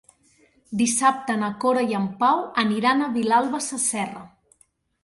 Dissabte na Cora i en Pau aniran a Vilalba Sasserra.